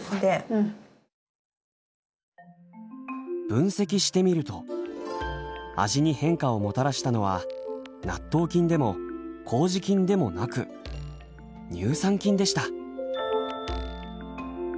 分析してみると味に変化をもたらしたのは納豆菌でも麹菌でもなく乳酸菌でした。